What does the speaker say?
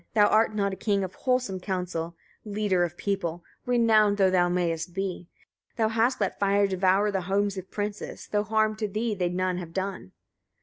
thou art not a king of wholesome counsel, leader of people! renowned though thou mayest be. Thou hast let fire devour the homes of princes, though harm to thee they none have done.